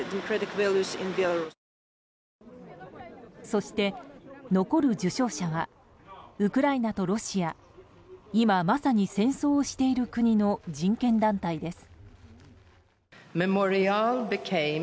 そして、残る受賞者はウクライナとロシア今、まさに戦争をしている国の人権団体です。